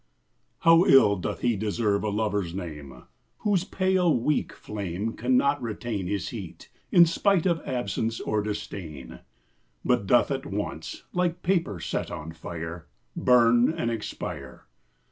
HOW ill doth lie deserve a Lover's name Whose pale weak flame Cannot retain His heat, in spite of absence or disdain ; But doth at once, like paper set on fire, Burn and expire